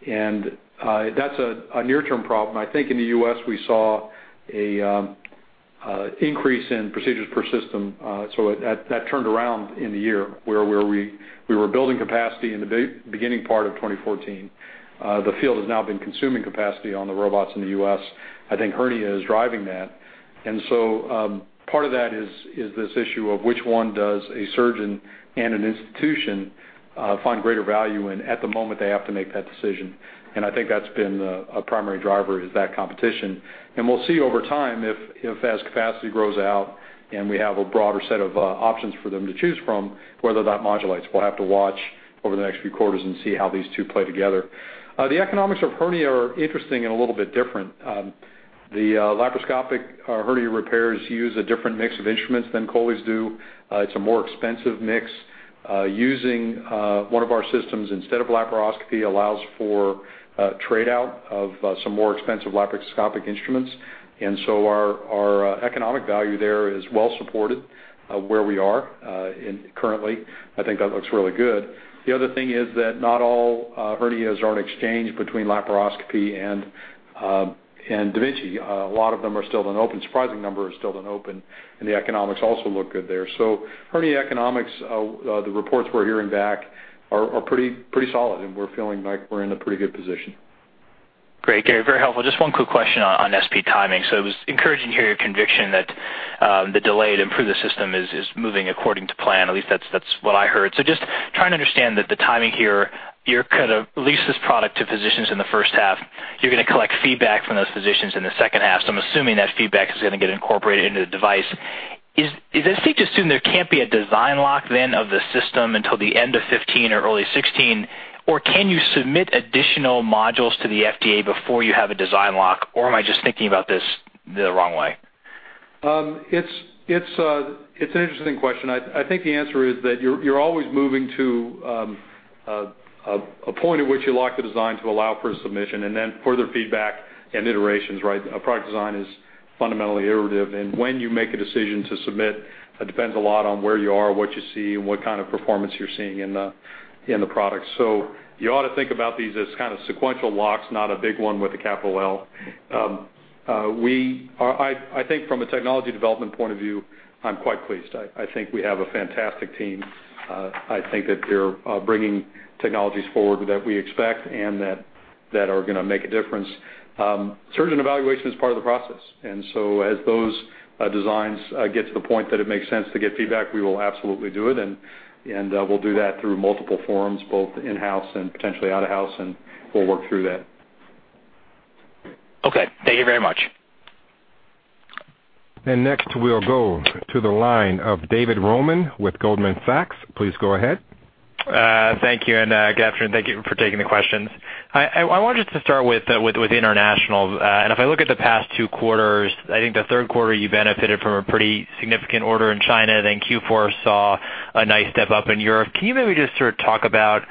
That's a near-term problem. I think in the U.S., we saw an increase in procedures per system. That turned around in the year where we were building capacity in the beginning part of 2014. The field has now been consuming capacity on the robots in the U.S. I think hernia is driving that. Part of that is this issue of which one does a surgeon and an institution find greater value in at the moment they have to make that decision. I think that's been a primary driver, is that competition. We'll see over time if as capacity grows out and we have a broader set of options for them to choose from, whether that modulates. We'll have to watch over the next few quarters and see how these two play together. The economics of hernia are interesting and a little bit different. The laparoscopic hernia repairs use a different mix of instruments than choles do. It's a more expensive mix. Using one of our systems instead of laparoscopy allows for a trade-out of some more expensive laparoscopic instruments. Our economic value there is well-supported, where we are currently. I think that looks really good. The other thing is that not all hernias are exchanged between laparoscopy and da Vinci. A lot of them are still done open. Surprising number are still done open, and the economics also look good there. Hernia economics, the reports we're hearing back are pretty solid and we're feeling like we're in a pretty good position. Great, Gary. Very helpful. Just one quick question on SP timing. It was encouraging to hear your conviction that the delayed improved system is moving according to plan. At least that's what I heard. Just trying to understand that the timing here, you're going to lease this product to physicians in the first half, you're going to collect feedback from those physicians in the second half. I'm assuming that feedback is going to get incorporated into the device. Is it safe to assume there can't be a design lock then of the system until the end of 2015 or early 2016, or can you submit additional modules to the FDA before you have a design lock, or am I just thinking about this the wrong way? It's an interesting question. I think the answer is that you're always moving to a point at which you lock the design to allow for submission and then further feedback and iterations, right? A product design is fundamentally iterative, and when you make a decision to submit, that depends a lot on where you are, what you see, and what kind of performance you're seeing in the product. You ought to think about these as kind of sequential locks, not a big one with a capital L. I think from a technology development point of view, I'm quite pleased. I think we have a fantastic team. I think that they're bringing technologies forward that we expect and that are going to make a difference. Surgeon evaluation is part of the process, as those designs get to the point that it makes sense to get feedback, we will absolutely do it. We'll do that through multiple forums, both in-house and potentially out-of-house, and we'll work through that. Okay. Thank you very much. Next, we'll go to the line of David Roman with Goldman Sachs. Please go ahead. Thank you, and good afternoon. Thank you for taking the questions. I wanted to start with international. If I look at the past two quarters, I think the third quarter you benefited from a pretty significant order in China, then Q4 saw a nice step up in Europe. Can you maybe just talk about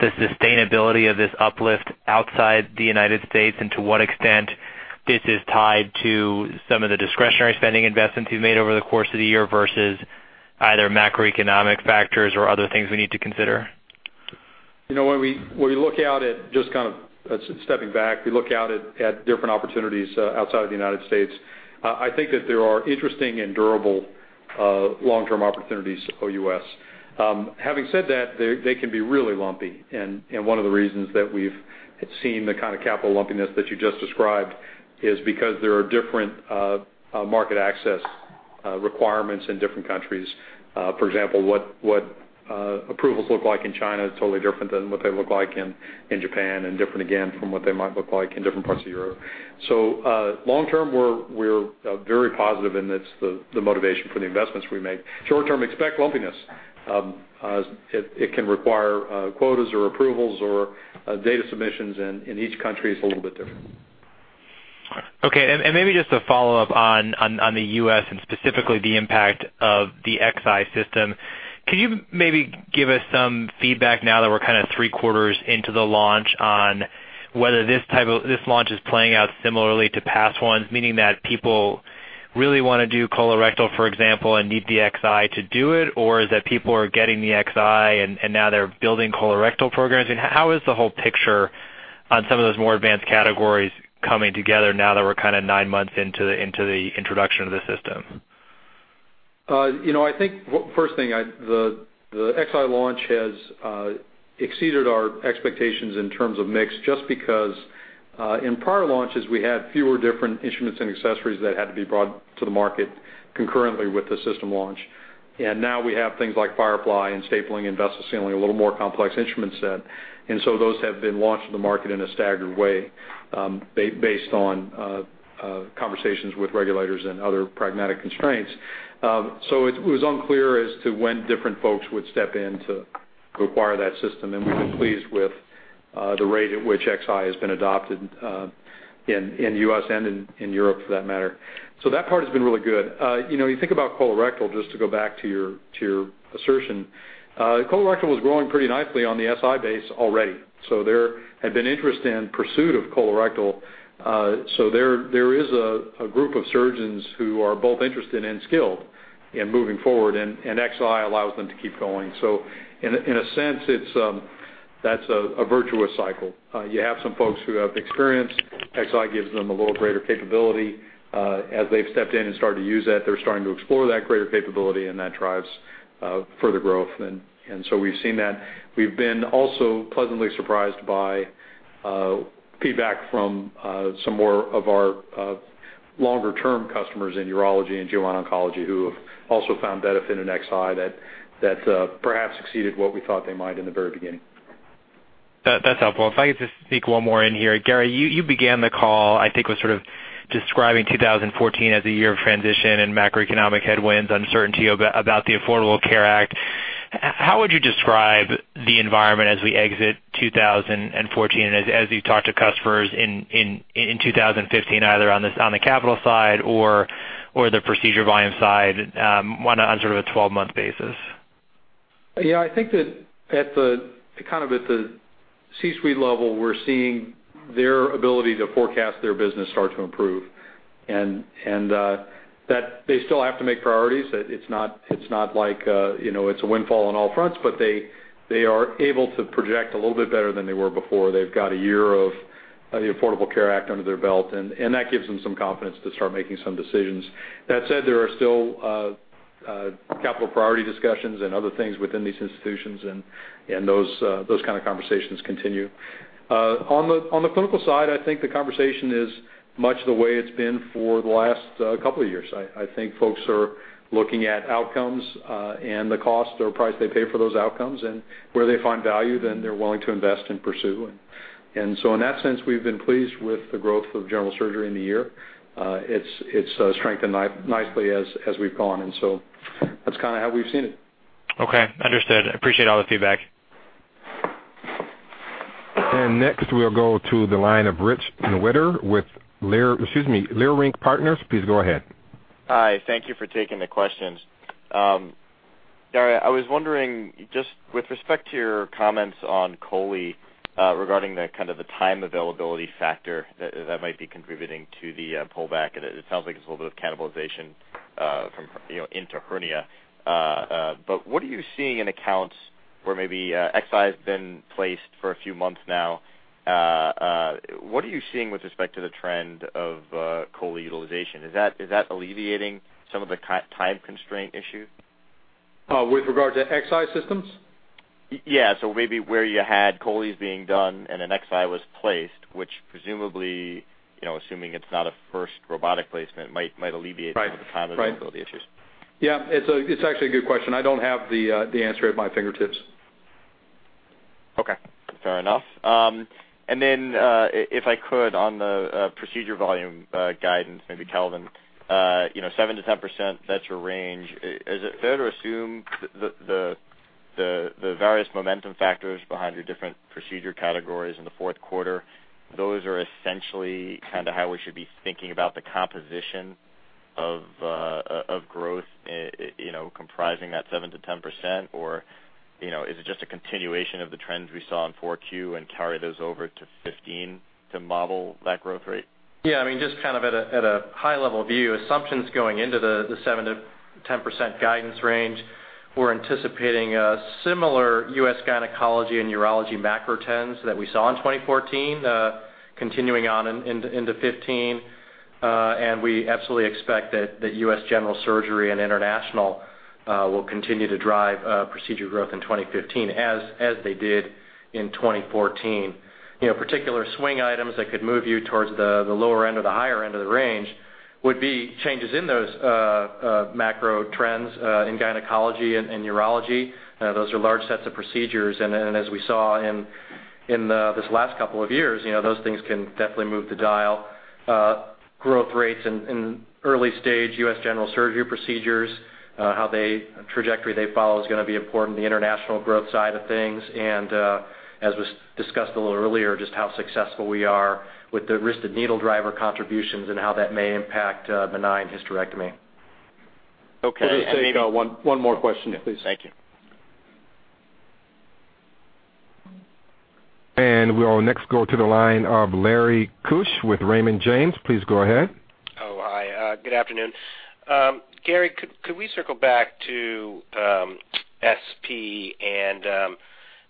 the sustainability of this uplift outside the U.S., and to what extent this is tied to some of the discretionary spending investments you've made over the course of the year versus either macroeconomic factors or other things we need to consider? When we look out at, just stepping back, we look out at different opportunities outside of the United States, I think that there are interesting and durable long-term opportunities OUS. Having said that, they can be really lumpy, and one of the reasons that we've seen the kind of capital lumpiness that you just described is because there are different market access requirements in different countries. For example, what approvals look like in China is totally different than what they look like in Japan, and different again from what they might look like in different parts of Europe. Long term, we're very positive, and it's the motivation for the investments we make. Short term, expect lumpiness. It can require quotas or approvals or data submissions, and each country is a little bit different. Okay, maybe just a follow-up on the U.S. and specifically the impact of the Xi system. Can you maybe give us some feedback now that we're three quarters into the launch on whether this launch is playing out similarly to past ones, meaning that people really want to do colorectal, for example, and need the Xi to do it? Or is that people are getting the Xi and now they're building colorectal programs? How is the whole picture on some of those more advanced categories coming together now that we're nine months into the introduction of the system? I think, first thing, the Xi launch has exceeded our expectations in terms of mix, just because in prior launches, we had fewer different instruments and accessories that had to be brought to the market concurrently with the system launch. Now we have things like Firefly and stapling and vessel sealing, a little more complex instrument set. Those have been launched in the market in a staggered way based on conversations with regulators and other pragmatic constraints. It was unclear as to when different folks would step in to acquire that system, and we've been pleased with the rate at which Xi has been adopted in U.S. and in Europe, for that matter. That part has been really good. You think about colorectal, just to go back to your assertion. Colorectal was growing pretty nicely on the Si base already. There had been interest in pursuit of colorectal. There is a group of surgeons who are both interested and skilled in moving forward, and Xi allows them to keep going. In a sense, that's a virtuous cycle. You have some folks who have experience. Xi gives them a little greater capability. As they've stepped in and started to use that, they're starting to explore that greater capability, and that drives further growth. We've seen that. We've been also pleasantly surprised by feedback from some more of our longer-term customers in urology and gyn oncology, who have also found benefit in Xi that perhaps exceeded what we thought they might in the very beginning. That's helpful. If I could just sneak one more in here. Gary, you began the call, I think, with sort of describing 2014 as a year of transition and macroeconomic headwinds, uncertainty about the Affordable Care Act. How would you describe the environment as we exit 2014 and as you talk to customers in 2015, either on the capital side or the procedure volume side on a 12-month basis? Yeah, I think that at the C-suite level, we're seeing their ability to forecast their business start to improve. They still have to make priorities. It's not like it's a windfall on all fronts, but they are able to project a little bit better than they were before. They've got a year of the Affordable Care Act under their belt, and that gives them some confidence to start making some decisions. That said, there are still capital priority discussions and other things within these institutions, and those kind of conversations continue. On the clinical side, I think the conversation is much the way it's been for the last couple of years. I think folks are looking at outcomes and the cost or price they pay for those outcomes, and where they find value, then they're willing to invest and pursue. In that sense, we've been pleased with the growth of general surgery in the year. It's strengthened nicely as we've gone. That's kind of how we've seen it. Okay, understood. Appreciate all the feedback. Next, we'll go to the line of Rick Wise with Leerink Partners. Please go ahead. Hi. Thank you for taking the questions. Gary, I was wondering, just with respect to your comments on chole regarding the time availability factor that might be contributing to the pullback, it sounds like it's a little bit of cannibalization into hernia. What are you seeing in accounts where maybe Xi has been placed for a few months now? What are you seeing with respect to the trend of chole utilization? Is that alleviating some of the time constraint issue? With regard to Xi systems? Yeah. Maybe where you had choles being done and an Xi was placed, which presumably, assuming it's not a first robotic placement, might alleviate some of the time availability issues. Yeah. It's actually a good question. I don't have the answer at my fingertips. Okay, fair enough. If I could, on the procedure volume guidance, maybe Calvin, 7%-10%, that's your range. Is it fair to assume the various momentum factors behind your different procedure categories in the fourth quarter, those are essentially how we should be thinking about the composition of growth comprising that 7%-10%? Is it just a continuation of the trends we saw in Q4 and carry those over to 2015 to model that growth rate? Yeah, just at a high-level view, assumptions going into the 7%-10% guidance range, we're anticipating a similar U.S. gynecology and urology macro trends that we saw in 2014 continuing on into 2015. We absolutely expect that U.S. general surgery and international will continue to drive procedure growth in 2015 as they did in 2014. Particular swing items that could move you towards the lower end or the higher end of the range would be changes in those macro trends in gynecology and urology. Those are large sets of procedures, and as we saw in this last couple of years, those things can definitely move the dial. Growth rates in early-stage U.S. general surgery procedures, the trajectory they follow is going to be important. The international growth side of things and, as was discussed a little earlier, just how successful we are with the wristed needle driver contributions and how that may impact benign hysterectomy. Okay. One more question, please. Thank you. We will next go to the line of Larry Biegelsen with Raymond James. Please go ahead. Oh, hi. Good afternoon. Gary, could we circle back to SP and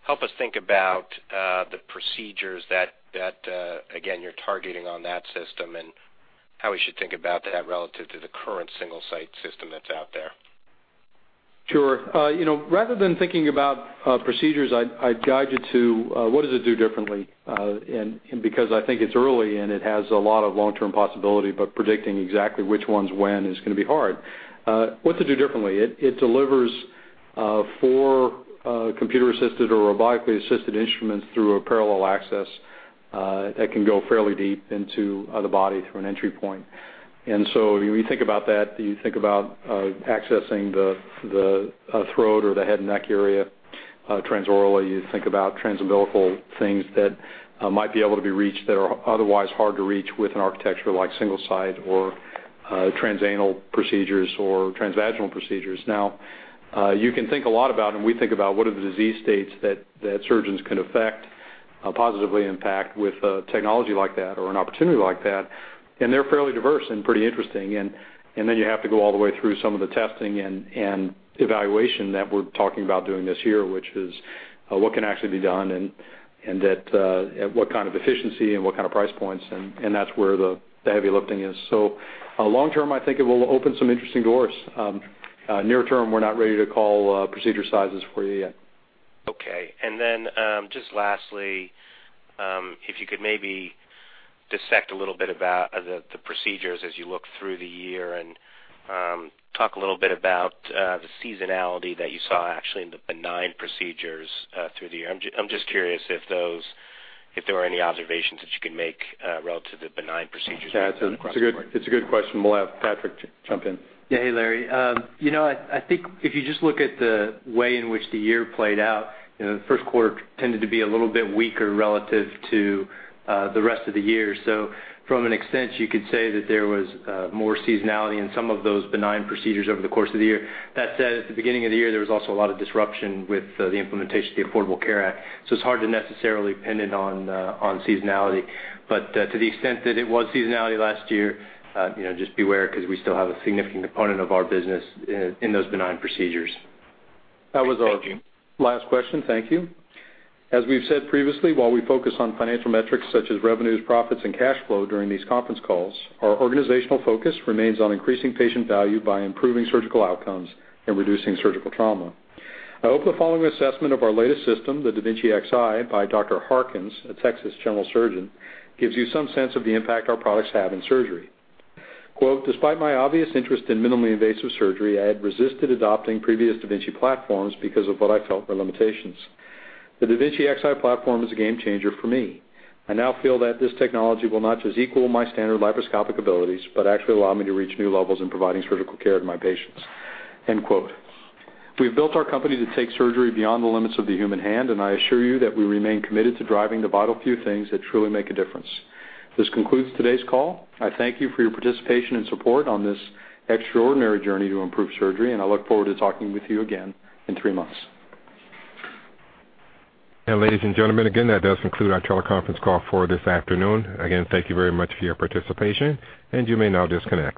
help us think about the procedures that, again, you're targeting on that system and how we should think about that relative to the current Single-Site system that's out there? Sure. Rather than thinking about procedures, I'd guide you to what does it do differently because I think it's early and it has a lot of long-term possibility, but predicting exactly which ones when is going to be hard. What to do differently. It delivers four computer-assisted or robotically assisted instruments through a parallel access that can go fairly deep into the body through an entry point. When you think about that, you think about accessing the throat or the head and neck area transorally. You think about transumbilical things that might be able to be reached that are otherwise hard to reach with an architecture like Single-Site or transanal procedures or transvaginal procedures. You can think a lot about, and we think about what are the disease states that surgeons can affect, positively impact with a technology like that or an opportunity like that, and they're fairly diverse and pretty interesting. Then you have to go all the way through some of the testing and evaluation that we're talking about doing this year, which is what can actually be done and at what kind of efficiency and what kind of price points, and that's where the heavy lifting is. Long term, I think it will open some interesting doors. Near term, we're not ready to call procedure sizes for you yet. Okay. Just lastly, if you could maybe dissect a little bit about the procedures as you look through the year and talk a little bit about the seasonality that you saw actually in the benign procedures through the year. I'm just curious if there are any observations that you can make relative to benign procedures. It's a good question. We'll have Patrick jump in. Yeah. Hey, Larry. I think if you just look at the way in which the year played out, the first quarter tended to be a little bit weaker relative to the rest of the year. From an extent, you could say that there was more seasonality in some of those benign procedures over the course of the year. That said, at the beginning of the year, there was also a lot of disruption with the implementation of the Affordable Care Act, so it's hard to necessarily pin it on seasonality. To the extent that it was seasonality last year, just be aware because we still have a significant component of our business in those benign procedures. That was our last question. Thank you. As we've said previously, while we focus on financial metrics such as revenues, profits, and cash flow during these conference calls, our organizational focus remains on increasing patient value by improving surgical outcomes and reducing surgical trauma. I hope the following assessment of our latest system, the da Vinci Xi, by Dr. Harkins, a Texas general surgeon, gives you some sense of the impact our products have in surgery. Quote, "Despite my obvious interest in minimally invasive surgery, I had resisted adopting previous da Vinci platforms because of what I felt were limitations. The da Vinci Xi platform is a game changer for me. I now feel that this technology will not just equal my standard laparoscopic abilities but actually allow me to reach new levels in providing surgical care to my patients." End quote. We've built our company to take surgery beyond the limits of the human hand, I assure you that we remain committed to driving the vital few things that truly make a difference. This concludes today's call. I thank you for your participation and support on this extraordinary journey to improve surgery, I look forward to talking with you again in three months. Ladies and gentlemen, again, that does conclude our teleconference call for this afternoon. Again, thank you very much for your participation, you may now disconnect.